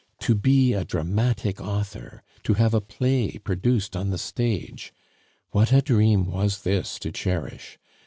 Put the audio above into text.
To be a dramatic author, to have a play produced on the stage! What a dream was this to cherish!